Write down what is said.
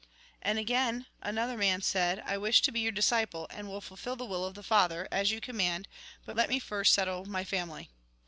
And again, another man said :" I wish to be your disciple, and will fulfil the will of the Father, as you command, but let me first settle my family."